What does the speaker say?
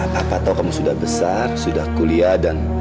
bapak tahu kamu sudah besar sudah kuliah dan